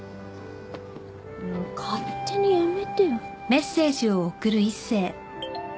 もう勝手にやめてよ。